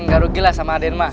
tidak rugilah sama aden mas